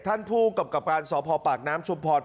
ท่านผู้กรรมกรรมการสภปากน้ำชุมพร